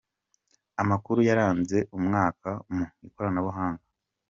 Amakuru yaranze umwaka mu ikoranabuhanga